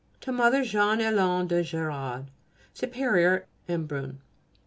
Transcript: _To Mother Jeanne Hélène de Gérard, Superior at Embrun.